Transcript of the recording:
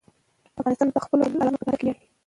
افغانستان د خپلو اتلانو په تاریخ ویاړي.